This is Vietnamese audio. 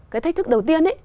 cái thách thức đầu tiên